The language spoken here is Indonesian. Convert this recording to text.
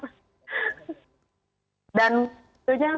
itu pun saya harus kita jendela setiap hari supaya akhirnya keluar